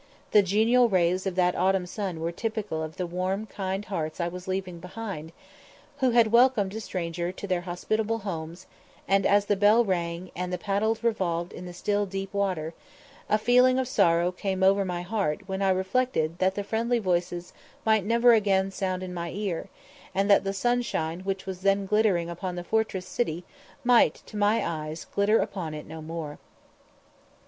The genial rays of that autumn sun were typical of the warm kind hearts I was leaving behind, who had welcomed a stranger to their hospitable homes; and, as the bell rang, and the paddles revolved in the still deep water, a feeling of sorrow came over my heart when I reflected that the friendly voices might never again sound in my ear, and that the sunshine which was then glittering upon the fortress city might, to my eyes, glitter upon it no more.